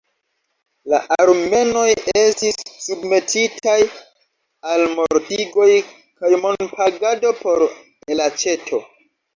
La armenoj estis submetitaj al mortigoj kaj monpagado por elaĉeto.